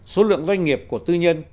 số lượng doanh nghiệp của tư nhân